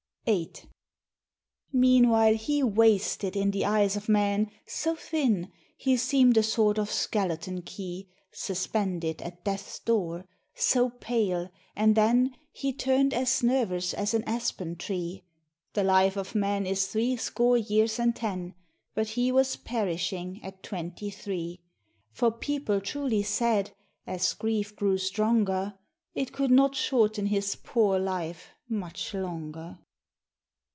VIII. Meanwhile he wasted in the eyes of men, So thin, he seem'd a sort of skeleton key Suspended at death's door so pale and then He turn'd as nervous as an aspen tree; The life of man is three score years and ten, But he was perishing at twenty three, For people truly said, as grief grew stronger, "It could not shorten his poor life much longer."